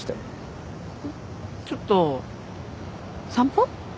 んっちょっと散歩？